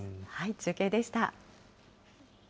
中継でした。